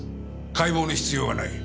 解剖の必要はない。